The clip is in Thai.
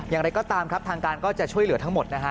อย่างไรก็ตามครับทางการก็จะช่วยเหลือทั้งหมดนะฮะ